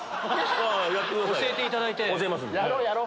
教えていただいて。